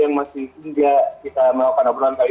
yang masih hingga kita mau pandang berantai